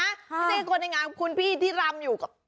ไม่ใช่คนในงานคุณพี่ที่รำอยู่กับ